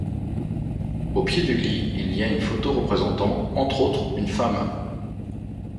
Aux pieds du lit il y a une photo représentant, entre autres, une femme.